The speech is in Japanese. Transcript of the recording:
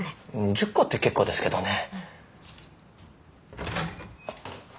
１０個って結構ですけどね。